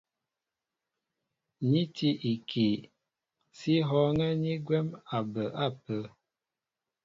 Ní tí ikii, sí hɔ̄ɔ̄ŋɛ́ ni gwɛ̌m a bə ápə̄.